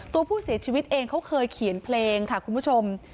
ตัวผู้เสียชีวิตเองเขาเคยเขียนเพลงค่ะคุณผู้ชม